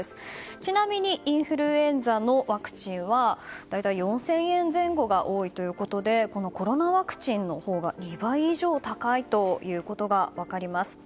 ちなみにインフルエンザのワクチンは大体４０００円前後が多いということでコロナワクチンのほうが２倍以上高いということが分かります。